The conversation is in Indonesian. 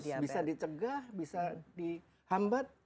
tidak harus bisa dicegah bisa di hambat